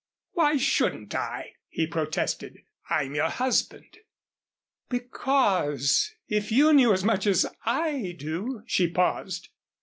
"Why shouldn't I?" he protested. "I'm your husband." "Because if you knew as much as I do " She paused.